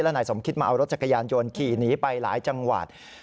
นายสมคิดมาเอารถจักรยานยนต์ขี่หนีไปหลายจังหวัด